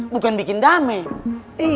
bukan bikin damai